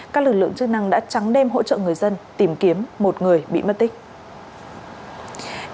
các lực lượng chức năng đã trắng đêm hỗ trợ người dân tìm kiếm một người bị mất tích